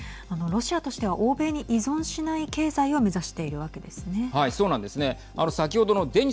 ロシアとしては欧米に依存しない経済を目指しているわけですね。